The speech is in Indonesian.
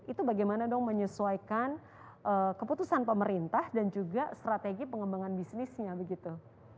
itu bagaimana dong menyesuaikan keputusan pemerintah dan juga strategi pengembangan bisnisnya begitu